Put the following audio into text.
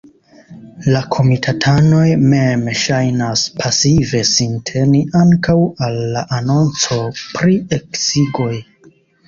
La komitatanoj mem ŝajnas pasive sinteni ankaŭ al la anonco pri eksigoj.